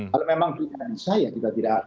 kalau memang pilihan saya juga tidak